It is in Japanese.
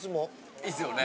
いいっすよね？